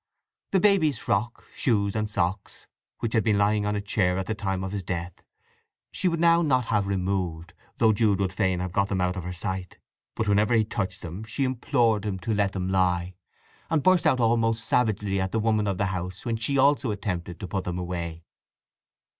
The baby's frock, shoes, and socks, which had been lying on a chair at the time of his death, she would not now have removed, though Jude would fain have got them out of her sight. But whenever he touched them she implored him to let them lie, and burst out almost savagely at the woman of the house when she also attempted to put them away.